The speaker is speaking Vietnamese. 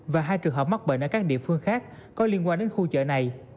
và hai trường hợp mắc bệnh ở các địa phương khác có liên quan đến khu chợ này